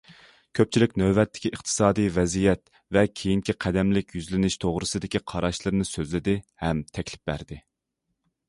كۆپچىلىك نۆۋەتتىكى ئىقتىسادىي ۋەزىيەت ۋە كېيىنكى قەدەملىك يۈزلىنىش توغرىسىدىكى قاراشلىرىنى سۆزلىدى ھەم تەكلىپ بەردى.